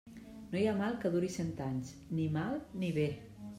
No hi ha mal que duri cent anys; ni mal, ni bé.